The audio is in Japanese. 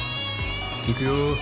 行くよ。